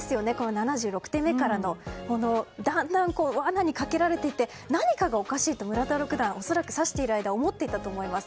７６手目からのだんだん罠にかけられていて何かがおかしいと村田六段は恐らく指している間思っていたと思います。